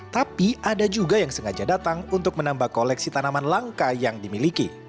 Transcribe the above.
tapi ada juga yang sengaja datang untuk menambah koleksi tanaman langka yang dimiliki